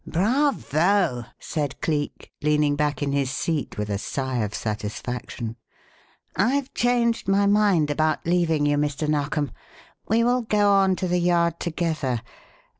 "Bravo!" said Cleek, leaning back in his seat, with a sigh of satisfaction. "I've changed my mind about leaving you, Mr. Narkom; we will go on to the Yard together.